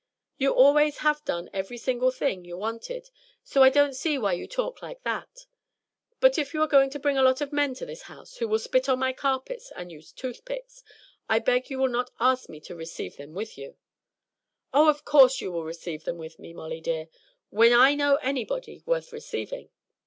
"You always have done every single thing you wanted, so I don't see why you talk like that. But if you are going to bring a lot of men to this house who will spit on my carpets and use toothpicks, I beg you will not ask me to receive with you." "Of course you will receive with me, Molly dear when I know anybody worth receiving.